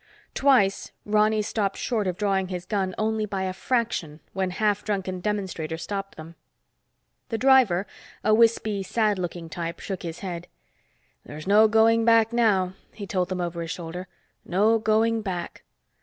Twice, Ronny stopped short of drawing his gun only by a fraction when half drunken demonstrators stopped them. The driver, a wispy, sad looking type, shook his head. "There's no going back now," he told them over his shoulder. "No going back.